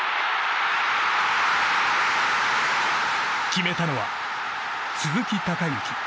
決めたのは、鈴木隆行。